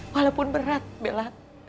walaupun berat bella